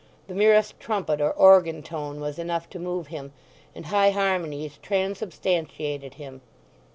The merest trumpet or organ tone was enough to move him, and high harmonies transubstantiated him.